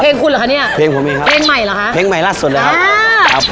เพลงคุณเหรอคะเนี้ยเพลงผมเองครับเพลงใหม่เหรอคะเพลงใหม่ล่าสุดเลยครับอ่าครับ